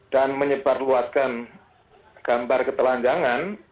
dan menyebarluatkan gambar ketelanjangan